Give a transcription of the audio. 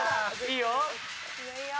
いいよ。